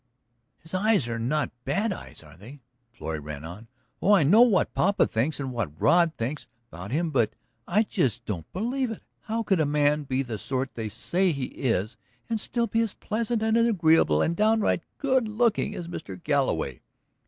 "His eyes are not bad eyes, are they?" Florrie ran on. "Oh, I know what papa thinks and what Rod thinks about him; but I just don't believe it! How could a man be the sort they say he is and still be as pleasant and agreeable and downright good looking as Mr. Galloway?